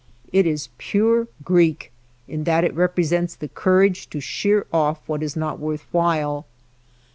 It is pure Greek in that it represents the courage to sheer off what is not worth while.